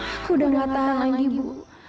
aku udah gak tahan lagi ibu